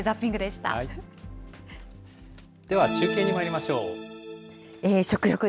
では、中継にまいりましょう。